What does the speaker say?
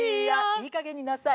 いいかげんになさい。